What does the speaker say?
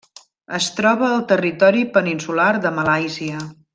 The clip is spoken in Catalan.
Es troba al territori peninsular de Malàisia.